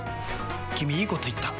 君いいこと言った！